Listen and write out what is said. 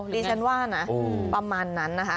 ดิฉันว่านะประมาณนั้นนะคะ